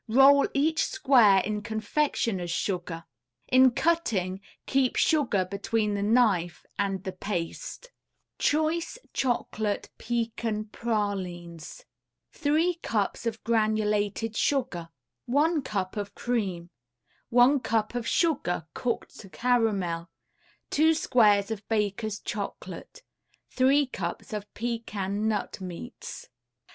Roll each square in confectioner's sugar. In cutting keep sugar between the knife and the paste. CHOICE CHOCOLATE PECAN PRALINES [Illustration: CHOCOLATE PECAN PRALINES.] 3 cups of granulated sugar, 1 cup of cream, 1 cup of sugar cooked to caramel, 2 squares of Baker's Chocolate, 3 cups of pecan nut meats.